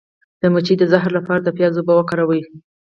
د مچۍ د زهر لپاره د پیاز اوبه وکاروئ